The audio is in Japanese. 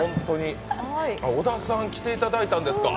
小田さん来ていただいたんですか？